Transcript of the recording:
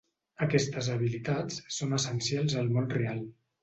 Aquestes habilitats són essencials al món real.